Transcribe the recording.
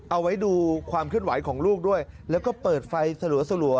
เอาไว้ดูความเคลื่อนไหวของลูกด้วยแล้วก็เปิดไฟสลัว